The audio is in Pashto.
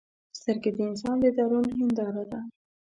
سترګې د انسان د درون هنداره ده